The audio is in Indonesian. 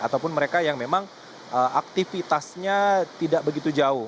ataupun mereka yang memang aktivitasnya tidak begitu jauh